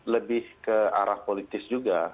lebih ke arah politis juga